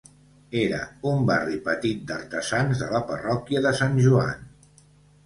Era un barri petit d'artesans de la parròquia de Sant Joan.